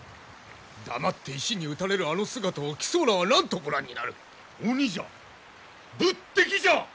黙って石に打たれるあの姿を貴僧らは何とご覧になる。鬼じゃ仏敵じゃ！